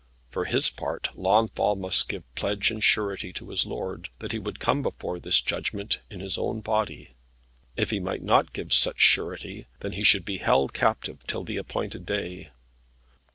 For his part Launfal must give pledge and surety to his lord, that he would come before this judgment in his own body. If he might not give such surety then he should be held captive till the appointed day.